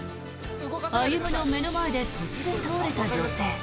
歩の目の前で突然倒れた女性。